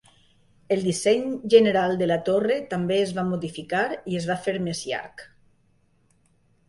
El disseny general de la torre també es va modificar i es va fer més llarg.